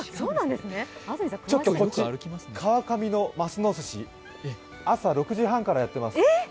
ちょっとこっち、川上のますのすし朝６時半からやってます。